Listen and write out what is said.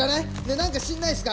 何か知んないですか？